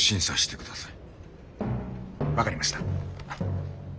分かりました。